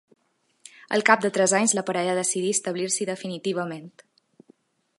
Al cap de tres anys la parella decidí establir-s'hi definitivament.